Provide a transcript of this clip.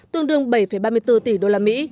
tương đương bảy ba mươi bốn tỷ usd